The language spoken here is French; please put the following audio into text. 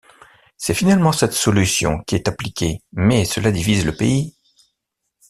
C'est finalement cette solution qui est appliquée, mais cela divise le pays.